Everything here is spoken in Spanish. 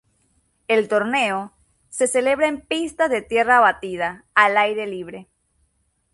El torneo se celebra en pistas de tierra batida al aire libre.